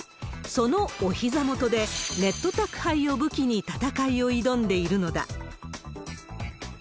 そのおひざ元で、ネット宅配を武器に戦いを挑んでいるのだ。